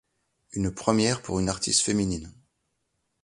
Une première pour une artiste féminine.